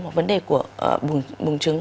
hoặc vấn đề của bùng trứng